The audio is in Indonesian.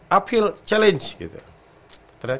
ternyata challenge itu artinya remaja bos